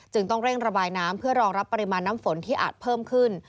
ต้องเร่งระบายน้ำเพื่อรองรับปริมาณน้ำฝนที่อาจเพิ่มขึ้น